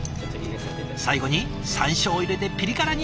最後にさんしょうを入れてピリ辛に。